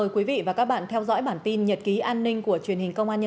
các bạn hãy đăng ký kênh để ủng hộ kênh của chúng mình nhé